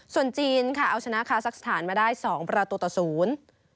ส่วนจีนค่ะเอาชนะคาศักดิ์สถานมาได้๒ประตูต่อ๐